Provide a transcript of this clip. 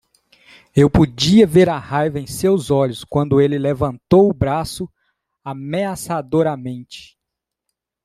Eu podia ver a raiva em seus olhos quando ele levantou o braço ameaçadoramente.